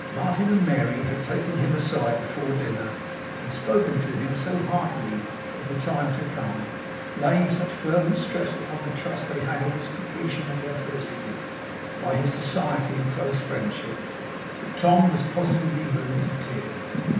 Martin and Mary had taken him aside before dinner, and spoken to him so heartily of the time to come, laying such fervent stress upon the trust they had in his completion of their felicity, by his society and closest friendship, that Tom was positively moved to tears.